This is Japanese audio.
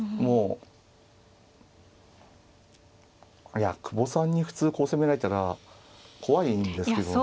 いや久保さんに普通こう攻められたら怖いんですけどね。